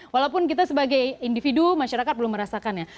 walaupun kita sebagai individu masyarakat belum merasakannya